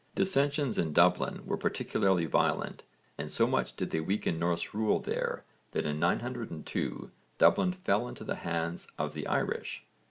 Dissensions in Dublin were particularly violent and so much did they weaken Norse rule there that in 902 Dublin fell into the hands of the Irish.